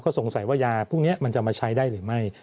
สงสัยว่ายาพวกนี้มันจะมาใช้ได้หรือไม่